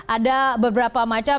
ada beberapa macam yang bahkan